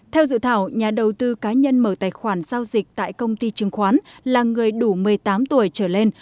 theo dự thảo nhà đầu tư cá nhân mở tài khoản giao dịch tại công ty chứng khoán là người đủ một mươi tám tuổi trở lên